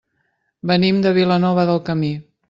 Venim de Vilanova del Camí.